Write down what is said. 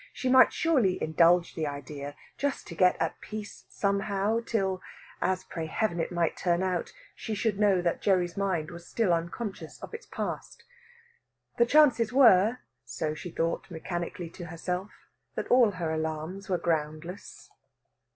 She might surely indulge the idea, just to get at peace somehow, till as pray Heaven it might turn out she should know that Gerry's mind was still unconscious of its past. The chances were, so she thought mechanically to herself, that all her alarms were groundless.